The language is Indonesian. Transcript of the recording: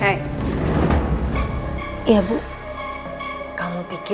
kamu pikir kamu mampu melakukan sesuatu ini